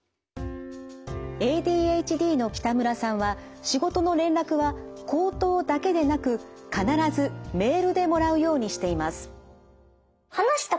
ＡＤＨＤの北村さんは仕事の連絡は口頭だけでなく必ずメールでもらうようにしています。